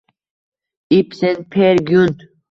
Ibsen. “Per Gyunt”